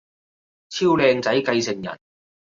超靚仔繼承人